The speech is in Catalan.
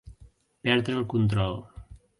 Perdre el control.